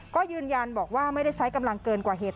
ก็ยืนยันบอกว่าไม่ได้ใช้กำลังเกินกว่าเหตุ